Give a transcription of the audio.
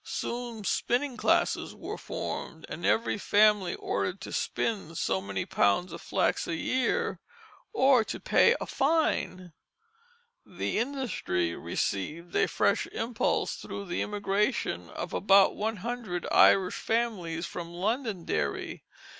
Soon spinning classes were formed, and every family ordered to spin so many pounds of flax a year, or to pay a fine. The industry received a fresh impulse through the immigration of about one hundred Irish families from Londonderry.